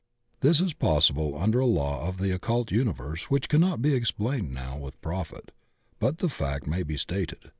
This is possible under a law of the occult universe which can not be explained now with profit, but the fact may be stated.